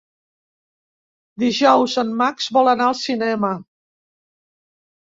Dijous en Max vol anar al cinema.